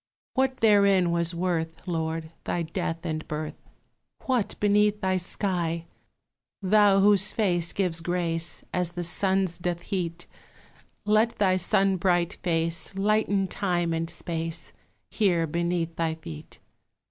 What therein was worth, Lord, thy death and birth? What beneath thy sky? Thou whose face gives grace As the sun's doth heat, Let thy sunbright face Lighten time and space Here beneath thy feet.